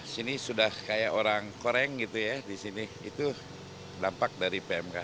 sini sudah kayak orang koreng gitu ya di sini itu dampak dari pmk